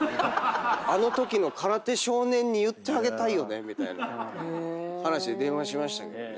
あのときの空手少年に言ってあげたいねみたいな話で電話しましたけどね。